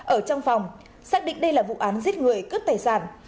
ở trong phòng xác định đây là vụ án giết người cướp tài sản